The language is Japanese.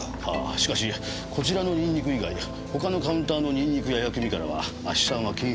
しかしこちらのニンニク以外他のカウンターのニンニクや薬味からは亜ヒ酸は検出されませんでした。